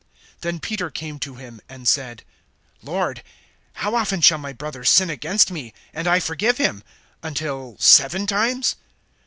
(21)Then Peter came to him, and said: Lord, how often shall my brother sin against me, and I forgive him? Until seven times?